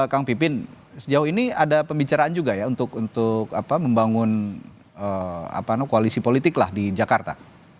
kang pipin sejauh ini ada pembicaraan juga ya untuk membangun koalisi politik lah di jakarta